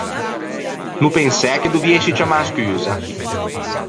No pensæ che doviësci ciammâ scusa?